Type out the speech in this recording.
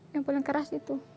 yang paling keras itu